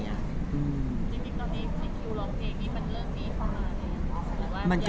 จริงตอนนี้สิคคิวร้องเพลงนี่มันเริ่มมีเข้ามาไหม